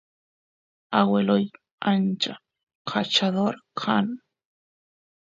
agueloy ancha kachador kan